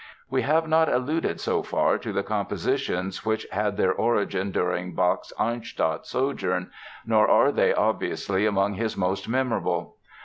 We have not alluded so far to the compositions which had their origin during Bach's Arnstadt sojourn nor are they, obviously, among his most memorable.